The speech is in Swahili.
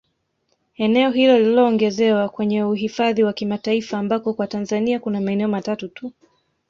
Eneo hilo liliongezwa kwenye uhidhafi wa kimataifa ambako kwa Tanzania kuna maeneo matatu tu